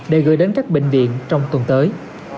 để gửi đến các bệnh viện trong tuần tới